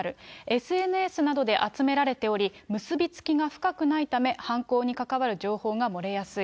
ＳＮＳなどで集められており、結び付きが深くないため、犯行に関わる情報がもれやすい。